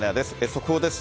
速報です。